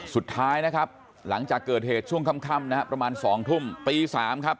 สุดท้ายนะครับหลังจากเกิดเหตุช่วงค่ำนะฮะประมาณ๒ทุ่มตี๓ครับ